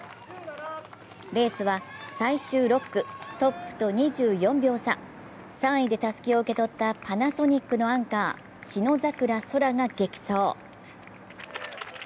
レースは最終６区、トップと２４秒差、３位でたすきを受け取ったパナソニックのアンカー・信櫻空が激走。